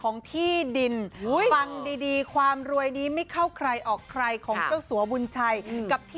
นี่ดินโรนให้ดูกันเลยคุณผู้ชมขา